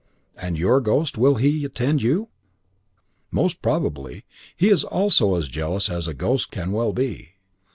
"And your ghost, will he attend you?" "Most probably. He also is as jealous as a ghost can well be."